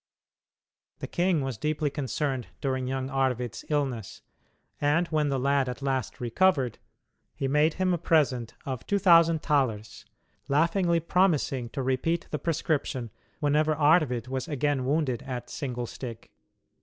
The king was deeply concerned during young Arvid's illness, and when the lad at last recovered he made him a present of two thousand thalers, laughingly promising to repeat the prescription whenever Arvid was again wounded at "single stick."